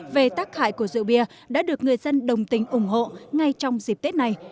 về tác hại của rượu bia đã được người dân đồng tình ủng hộ ngay trong dịp tết này